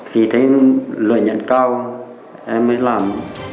vì thấy lợi nhận cao em mới làm